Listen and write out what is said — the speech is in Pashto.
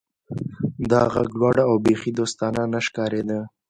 دا غږ لوړ و او بیخي دوستانه نه ښکاریده